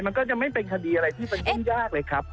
มันก็จะไม่เป็นคดีอะไรที่มันยุ่งยากเลยครับ